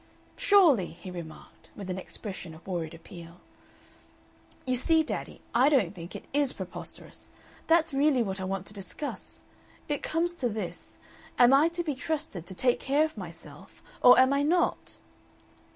"Surely!" he remarked, with an expression of worried appeal. "You see, daddy, I don't think it IS preposterous. That's really what I want to discuss. It comes to this am I to be trusted to take care of myself, or am I not?"